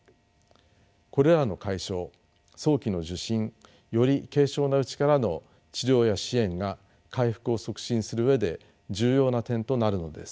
これらの解消早期の受診より軽症なうちからの治療や支援が回復を促進する上で重要な点となるのです。